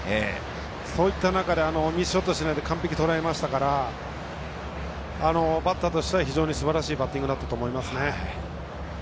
そういった中でミスショットしないで完璧に捉えましたからバッターとしては非常にすばらしいバッティングだったと思いますね。